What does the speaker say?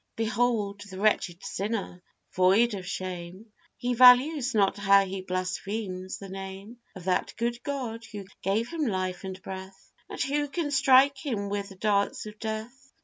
Behold the wretched sinner void of shame, He values not how he blasphemes the name Of that good God who gave him life and breath, And who can strike him with the darts of death!